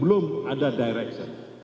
belum ada direction